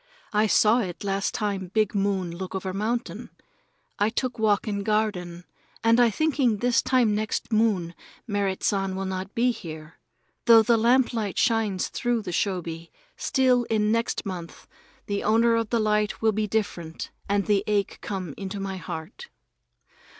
I saw it last time big moon look over mountain. I took walk in garden and I thinking this time next moon Merrit San will not be here. Though the lamplight shines through the shoji, still in next month the owner of the light will be different and the ache come into my heart.